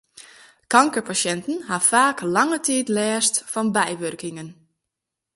Kankerpasjinten ha faak lange tiid lêst fan bywurkingen.